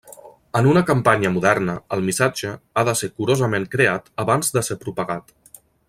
En una campanya moderna, el missatge ha de ser curosament creat abans de ser propagat.